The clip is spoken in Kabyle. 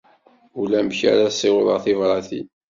Ulamek ara ssiwḍen tibratin.